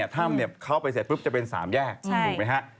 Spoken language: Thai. ถ้ามเข้าไปเสร็จจะเป็น๓แยกถูกไหมครับ